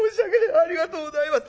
ありがとうございます」。